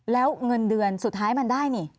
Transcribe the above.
แล้วเงินเดือนสุดท้ายมันได้นี่